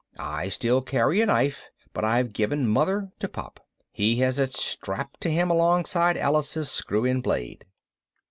I still carry a knife, but I've given Mother to Pop. He has it strapped to him alongside Alice's screw in blade.